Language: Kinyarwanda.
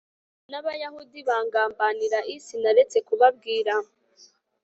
n Abayahudi bangambaniraga i Sinaretse kubabwira